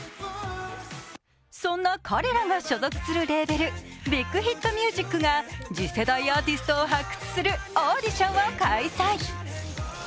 そんな彼らが所属するレーベル、ビッグヒットミュージックが次世代アーティストを発掘するオーディションを開催。